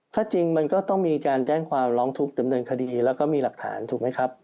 ถ้าจริงมันก็ต้องมีการแจ้งความร้องทุกข์ดำเนินคดีแล้วก็มีหลักฐานถูกไหมครับ